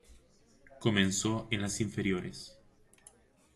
Comenzó en las inferiores.